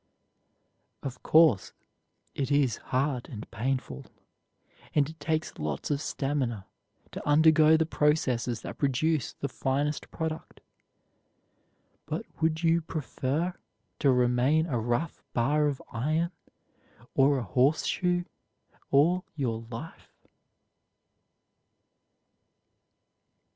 Of course, it is hard and painful, and it takes lots of stamina to undergo the processes that produce the finest product, but would you prefer to remain a rough bar of iron or a horseshoe all your life?